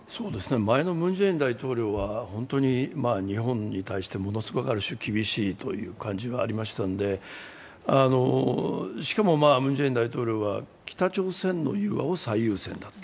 前のムン・ジェイン大統領は本当に日本に対してものすごい、ある種、厳しい感じがありましたので、しかもムン・ジェイン大統領は北朝鮮が最優先だった。